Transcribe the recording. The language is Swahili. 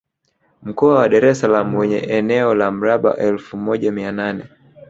Mkoa wa Dar es Salaam wenye eneo na la mraba efu moja mia nane